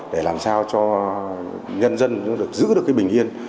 để làm sao cho nhân dân giữ được bình yên